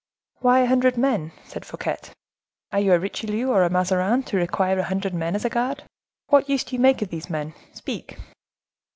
"Why a hundred men?" said Fouquet. "Are you a Richelieu or a Mazarin, to require a hundred men as a guard? What use do you make of these men?—speak."